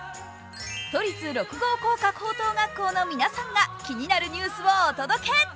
都立六郷工科高等学校の皆さんが気になるニュースをお届け。